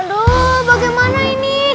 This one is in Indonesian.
aduh bagaimana ini